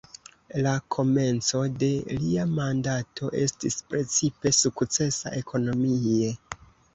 La komenco de lia mandato estis precipe sukcesa ekonomie.